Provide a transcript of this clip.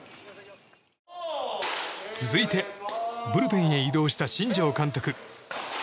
続いてブルペンへ移動した新庄監督。